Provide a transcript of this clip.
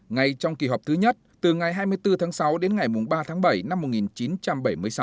ngay trong kỳ họp thứ nhất từ ngày hai mươi bốn tháng sáu đến ngày ba tháng bảy năm một nghìn chín trăm bảy mươi sáu